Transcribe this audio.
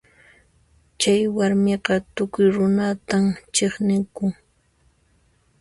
Chay warmiqa tukuy runatan chiqnikun.